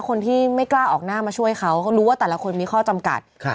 คนที่ไม่กล้าออกหน้ามาช่วยเขาเขารู้ว่าแต่ละคนมีข้อจำกัด